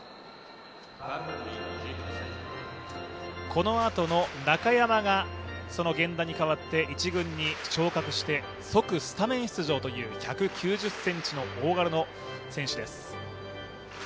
このあとの中山が、源田に代わって１軍に昇格して即スタメン出場という１９０ｃｍの大柄の選手です。